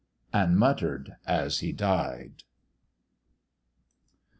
and mutter'd as he died.